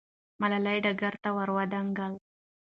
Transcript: ملالۍ ډګر ته ور دانګله.